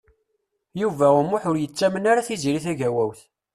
Yuba U Muḥ ur yettamen ara Tiziri Tagawawt.